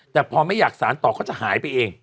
แต่พอไม่อยากสารต่อเขาจะหายไปเอง